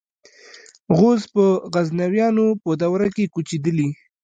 غوز په غزنویانو په دوره کې کوچېدلي.